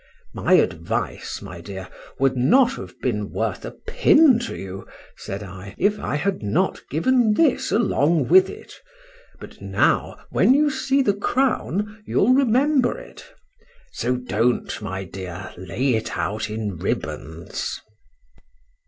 My advice, my dear, would not have been worth a pin to you, said I, if I had not given this along with it: but now, when you see the crown, you'll remember it;—so don't, my dear, lay it out in ribands.